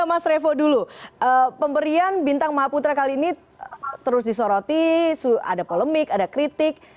mas revo dulu pemberian bintang mahaputra kali ini terus disoroti ada polemik ada kritik